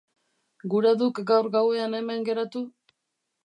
Gura duk gaur gauean hemen geratu?